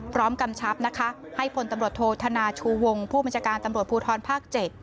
กำชับนะคะให้พลตำรวจโทษธนาชูวงผู้บัญชาการตำรวจภูทรภาค๗